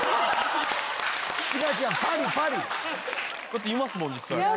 だっていますもん実際。